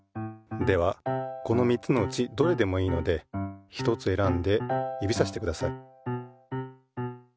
ではこの３つのうちどれでもいいのでひとつ選んで指さしてください。